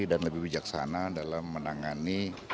dan lebih bijaksana dalam menangani